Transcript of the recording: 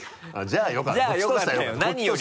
じゃあよかったよ